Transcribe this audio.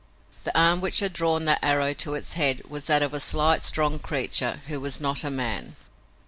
The arm which had drawn that arrow to its head was that of a slight, strong creature who was not a man.